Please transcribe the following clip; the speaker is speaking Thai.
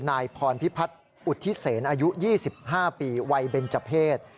นายพรพิพัฒน์อุทธิเสนอายุ๒๕ปีวัยเบนเจอร์เพศ